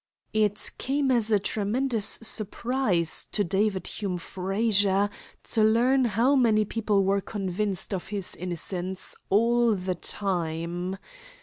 It came as a tremendous surprise to David Hume Frazer to learn how many people were convinced of his innocence "all the time."